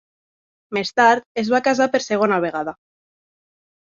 Més tard es va casar per segona vegada.